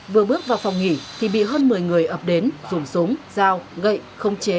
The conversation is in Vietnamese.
vừa bước vào phòng nghỉ thì bị hơn một mươi người ập đến dùng súng dao gậy không chế